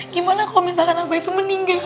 gimana kalo abah itu meninggal